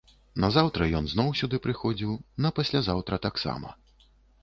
Назаўтра ён зноў сюды прыходзіў, напаслязаўтра таксама.